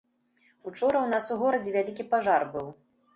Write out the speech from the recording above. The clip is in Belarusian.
Учора ў нас у горадзе вялікі пажар быў.